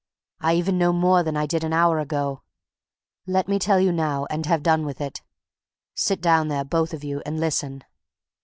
I even know more than I did an hour ago. Let me tell you now and have done with it. Sit down there, both of you, and listen."